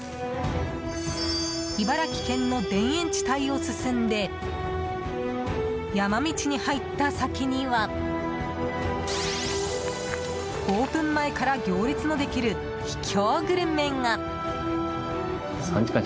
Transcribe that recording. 茨城県の田園地帯を進んで山道に入った先にはオープン前から行列のできる秘境グルメが。